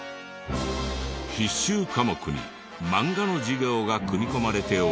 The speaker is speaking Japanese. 必修科目にマンガの授業が組み込まれており。